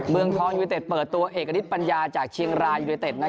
เมืองทองยูเต็ดเปิดตัวเอกณิตปัญญาจากเชียงรายยูเนเต็ด